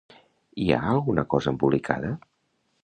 Hi ha alguna cosa embolicada?